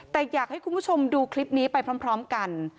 แต่อยากให้คุณผู้ชมดูคลิปนี้ไปพร้อมกัน